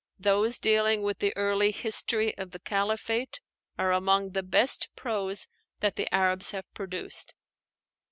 Those dealing with the early history of the caliphate are among the best prose that the Arabs have produced.